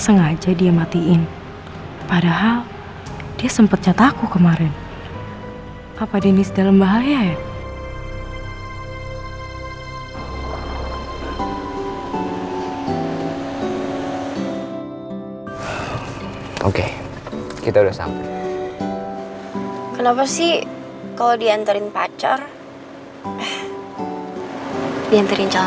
sampai jumpa di video selanjutnya